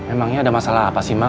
emangnya ada masalah apa sih mbak